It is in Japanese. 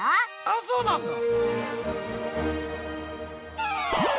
あっそうなんだ。